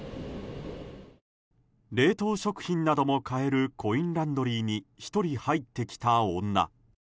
冷凍食品なども買えるコインランドリーに１人、入ってきた女。